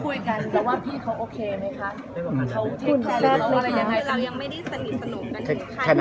หนึ่งเป็นคนเลือกเองนะเสียใจเองนะ